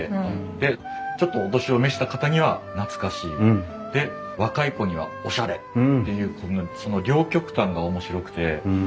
でちょっとお年を召した方には懐かしいで若い子にはおしゃれっていうその両極端が面白くて。